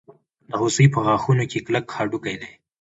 د هوسۍ په غاښونو کې کلک هډوکی دی.